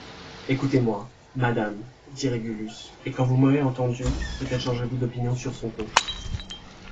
Ecoutez-moi, madame, dit Régulus, et quand vous m'aurez entendu, peut-être changerez-vous d'opinion sur son compte.